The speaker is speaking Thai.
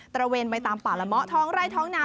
ตระเวนไปตามป่าลมะท้องไร้ท้องน้ำ